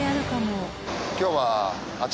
今日は。